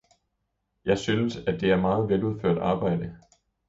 Jeg synes, at det er et meget veludført arbejde.